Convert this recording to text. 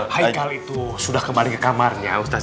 heikal itu sudah kembali ke kamarnya ustaz